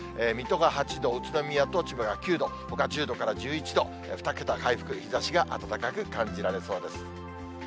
水戸が８度、宇都宮と千葉が９度、ほか１０度から１１度、２桁回復、日ざしが暖かく感じられそうです。